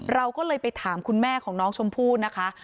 เราก็เลยไปถามคุณแม่ของน้องชมพู่นะคะ